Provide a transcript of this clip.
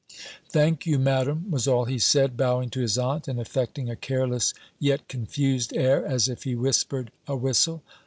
"Thank you, Madam," was all he said, bowing to his aunt, and affecting a careless yet confused air, as if he whispered a whistle.